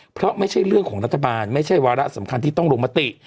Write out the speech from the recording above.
เพราะไม่ใช่เรื่องของรัฐบาลไม่ใช่วาระสำคัญที่ต้องลงมติ